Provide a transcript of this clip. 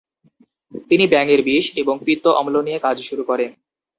তিনি ব্যাঙের বিষ এবং পিত্ত অম্ল নিয়ে কাজ শুরু করেন।